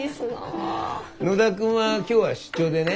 野田君は今日は出張でね。